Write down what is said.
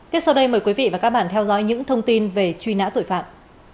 tiếp sau đây mời quý vị và các bạn theo dõi những thông tin về truy nã tội phạm